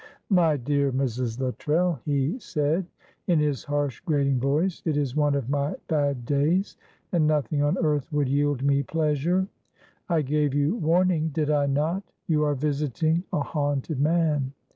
"My dear Mrs. Luttrell," he said, in his harsh, grating voice, "it is one of my bad days, and nothing on earth would yield me pleasure. I gave you warning, did I not? You are visiting a haunted man!